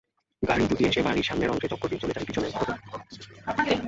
গাড়ি দুটি এসে বাড়ির সামনের অংশে চক্কর দিয়ে চলে যায় পেছনের ফটকে।